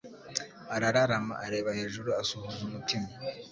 arararama areba hejuru, asuhuza umutima